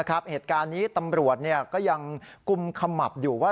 เหตุการณ์นี้ตำรวจก็ยังกุมขมับอยู่ว่า